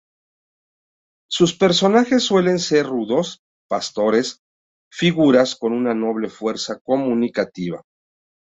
Sus personajes suelen ser rudos pastores, figuras con una noble fuerza comunicativa.